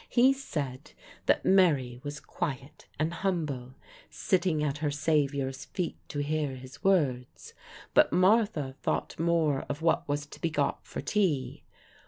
He said that Mary was quiet and humble, sitting at her Savior's feet to hear his words; but Martha thought more of what was to be got for tea.